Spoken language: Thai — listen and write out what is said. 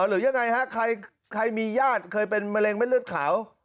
หรือยังไงฮะใครมีญาติเคยเป็นมะเร็งไม่เลือดขาว